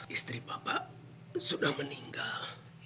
istri bapak sudah meninggal